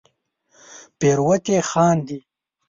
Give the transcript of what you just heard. پیروتې خاندې